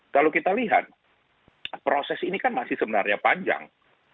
kalau kita lihat proses ini kan masih sebenarnya panjang